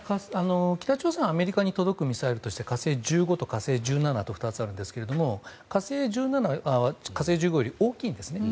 北朝鮮はアメリカに届くミサイルとして「火星１５」と「火星１７」と２つあるんですが「火星１７」は「火星１５」より大きいですね。